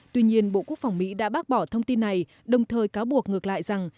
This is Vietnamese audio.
tuy nhiên bộ quốc phòng mỹ đã bác bỏ thông tin này đồng thời cáo buộc ngược lại rằng